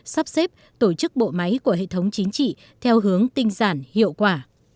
sắp xếp tổ chức bộ máy của hệ thống chính trị theo hướng tinh giản hiệu quả